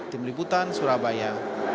tim liputan surabaya